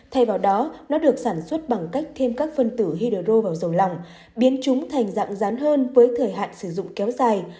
thay vào đó nó được sản xuất bằng cách thêm các phân tử hydero vào dầu lòng biến chúng thành dạng rán hơn với thời hạn sử dụng kéo dài